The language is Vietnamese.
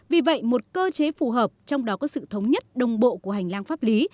vì vậy một cơ chế phù hợp trong đó có sự thống nhất đồng bộ của hành lang pháp lý